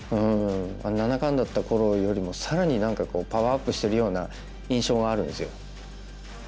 七冠だった頃よりも更に何かパワーアップしてるような印象があるんですよ。